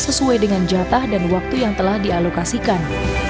sesuai dengan jatah dan waktu yang telah dialokasikan